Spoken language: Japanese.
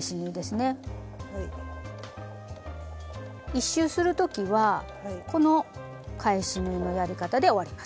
１周する時はこの返し縫いのやり方で終わります。